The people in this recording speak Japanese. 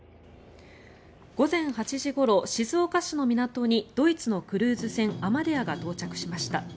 午前８時ごろ静岡市の港にドイツのクルーズ船「アマデア」が到着しました。